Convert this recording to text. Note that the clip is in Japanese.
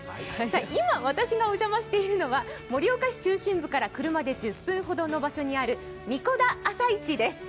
今、私がお邪魔しているのは盛岡市中心部から車で１０分ほどの場所にある神子田朝市です。